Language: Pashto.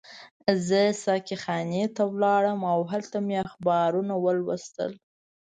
زه ساقي خانې ته لاړم او هلته مې اخبارونه ولوستل.